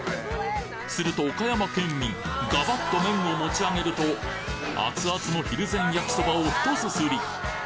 すると岡山県民ガバッと麺を持ち上げると熱々のひるぜん焼そばをひとすすり！